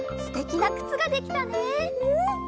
すてきなくつができたね。